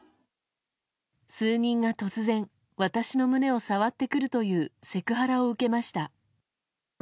数人が突然私の胸を触ってくるというセクハラを受けました。